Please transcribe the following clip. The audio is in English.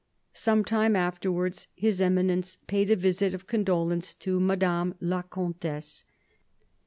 Some time afterwards His Eminence paid a visit of condolence to Madame la Comtesse.